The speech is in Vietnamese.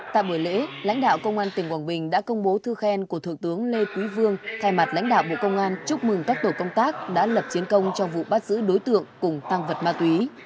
tại buổi lễ lãnh đạo công an tỉnh quảng bình đã công bố thư khen của thủ tướng lê quý vương thay mặt lãnh đạo bộ công an chúc mừng các tổ công tác đã lập chiến công trong vụ bắt giữ đối tượng cùng tăng vật ma túy